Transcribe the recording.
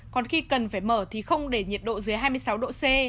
còn khi cần phải mở thì không để nhiệt độ dưới hai mươi sáu độ c